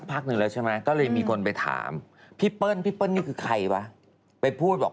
เป็นแม่ค่าก็นะผู้โลย